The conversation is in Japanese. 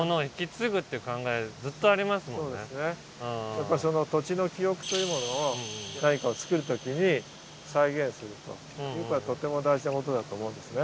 やっぱその土地の記憶というものを何かを作る時に再現するということはとても大事なことだと思うんですね。